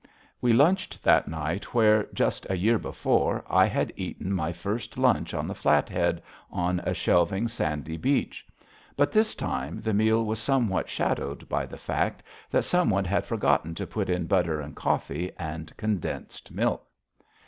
We lunched that night where, just a year before, I had eaten my first lunch on the Flathead, on a shelving, sandy beach. But this time the meal was somewhat shadowed by the fact that some one had forgotten to put in butter and coffee and condensed milk.